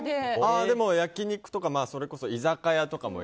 でも、焼き肉とかそれこそ居酒屋とかも。